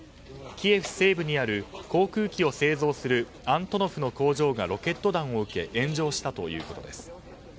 キエフ西部にある航空機を整備するアントノフの工場がロケット弾を受け炎上したということです。